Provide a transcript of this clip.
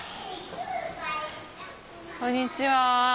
こんにちは。